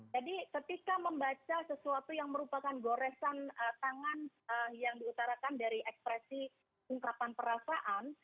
jadi ketika membaca sesuatu yang merupakan goresan tangan yang diutarakan dari ekspresi ungkapan perasaan